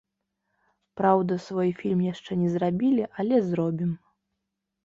Праўда, свой фільм яшчэ не зрабілі, але зробім.